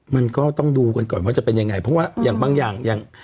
มันก็ต้องดูกันก่อนว่าจะเป็นยังไงเพราะว่าอย่างบางอย่างอย่าง